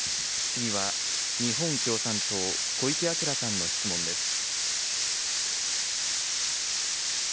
次は、日本共産党、小池晃さんの質問です。